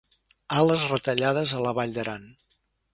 Ales retallades a la Vall d'Aran.